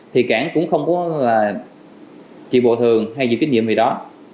thì cảng cũng không có chịu bộ thường hay dịch kết nhiệm gì đó